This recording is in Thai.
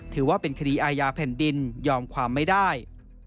ถือว่าเป็นคดีอาญาแผ่นดินยอมความไม่ได้